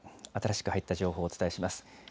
新しく入った情報、お伝えします。